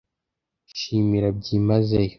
shimira byimazeyo.